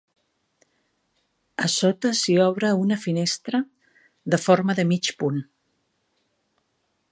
A sota s'hi obre una finestra de forma de mig punt.